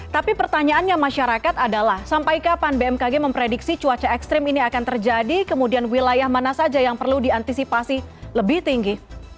tapi pertanyaannya masyarakat adalah sampai kapan bmkg memprediksi cuaca ekstrim ini akan terjadi kemudian wilayah mana saja yang perlu diantisipasi lebih tinggi